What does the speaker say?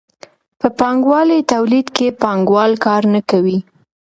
په پانګوالي تولید کې پانګوال کار نه کوي.